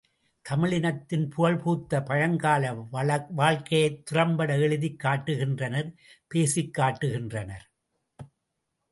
தமிழ் இனத்தின் புகழ்பூத்த பழங்கால வாழ்க்கையைத் திறம்பட எழுதிக் காட்டுகின்றனர் பேசிக்காட்டுகின்றனர்.